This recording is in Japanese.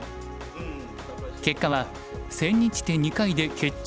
結果は千日手２回で決着つかず。